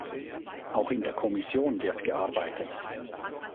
Auch in der Kommission wird gearbeitet.